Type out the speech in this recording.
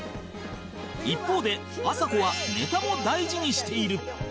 一方であさこはネタも大事にしている